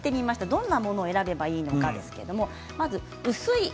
どんなものを選べばいいのか。